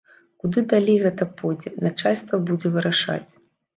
Куды далей гэта пойдзе, начальства будзе вырашаць.